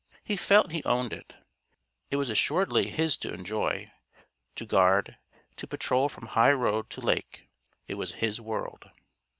He felt he owned it. It was assuredly his to enjoy, to guard, to patrol from high road to lake. It was his world.